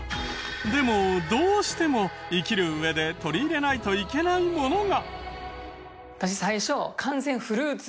でもどうしても生きる上で取り入れないといけないものが。